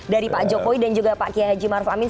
dari pak jokowi dan juga pak kiai haji maruf amin